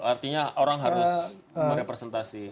artinya orang harus merepresentasi